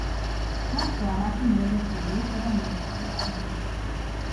ფრანსუა მათი მერვე შვილი იყო და მეხუთე ვაჟი.